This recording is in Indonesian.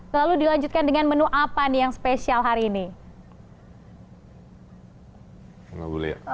lalu dilanjutkan dengan menu apa nih yang spesial hari ini